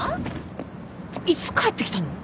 いつ帰ってきたの？